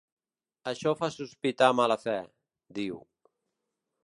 Això fa sospitar mala fe, diu.